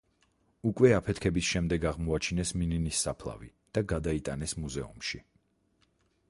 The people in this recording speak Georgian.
უკვე აფეთქების შემდეგ აღმოაჩინეს მინინის საფლავი და გადაიტანეს მუზეუმში.